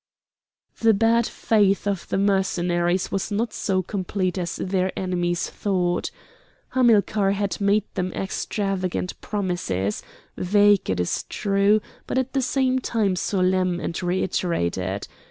The bad faith of the Mercenaries was not so complete as their enemies thought. Hamilcar had made them extravagant promises, vague, it is true, but at the same time solemn and reiterated.